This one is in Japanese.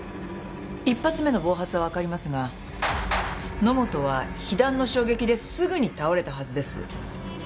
１発目の暴発はわかりますが野本は被弾の衝撃ですぐに倒れたはずです。